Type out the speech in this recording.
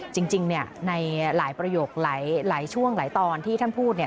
จริงในหลายประโยคหลายช่วงหลายตอนที่ท่านพูดเนี่ย